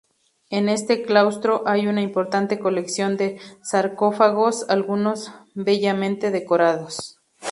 En este claustro hay una importante colección de sarcófagos, algunos bellamente decorados.